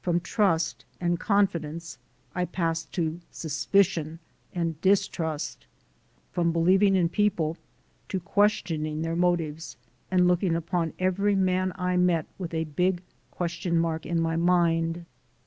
From trust and confidence I passed to suspicion and distrust ; from believing in people to questioning their motives and looking upon every man I met with a big question mark in my mind.